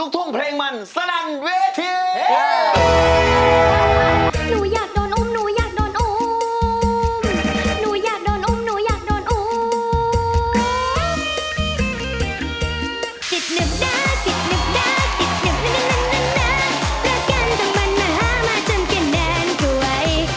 จังมันมันห้ามมาจนแก่แมนกล้วย